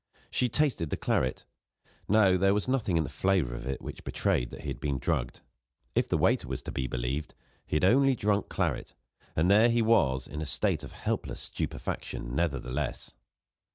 She tasted the claret. No; there was nothing in the flavour of it which betrayed that he had been drugged. If the waiter was to be believed, he had only drunk claret and there he was, in a state of helpless stupefaction, nevertheless.